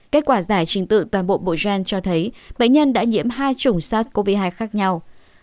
kết quả giải trình tự toàn bộ bộ gen cho thấy bệnh nhân đã nhiễm hai chủng sars cov hai khác nhau